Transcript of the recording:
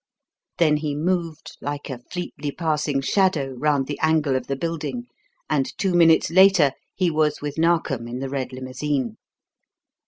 Then he moved like a fleetly passing shadow round the angle of the building, and two minutes later he was with Narkom in the red limousine.